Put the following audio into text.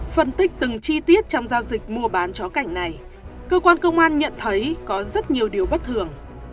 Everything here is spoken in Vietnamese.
phân tích từng chi tiết trong giao dịch mua bán chó cảnh này cơ quan công an nhận thấy có rất nhiều điều bất thường